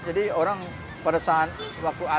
jadi orang pada saat waktu alam